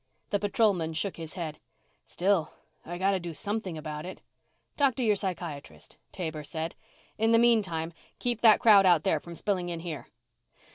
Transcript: The patrolman shook his head. "Still, I gotta do something about it." "Talk to your psychiatrist," Taber said. "In the meantime, keep that crowd out there from spilling in here."